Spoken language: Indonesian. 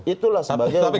itulah sebagai perpawanan